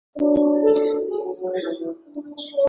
蝶须为菊科蝶须属的植物。